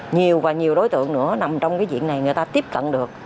nhiều và nhiều đối tượng nữa nằm trong cái diện này người ta tiếp cận được